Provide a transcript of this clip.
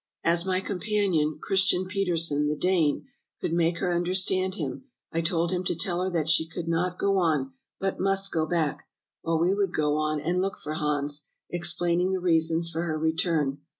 "As my companion. Christian Petersen the Dane, could make her understand him, I told him to tell her that she could not go on but must go back, while we would go on and look for Hans, explaining the reasons for her return.